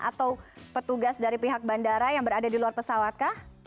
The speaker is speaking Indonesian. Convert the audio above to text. atau petugas dari pihak bandara yang berada di luar pesawat kah